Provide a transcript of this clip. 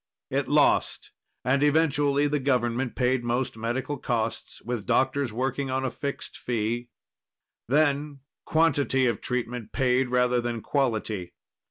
It lost, and eventually the government paid most medical costs, with doctors working on a fixed fee. Then quantity of treatment paid, rather than quality.